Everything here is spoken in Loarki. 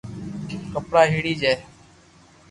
ڪپڙا ھيڙي جي